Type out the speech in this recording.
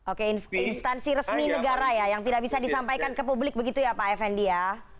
oke instansi resmi negara ya yang tidak bisa disampaikan ke publik begitu ya pak effendi ya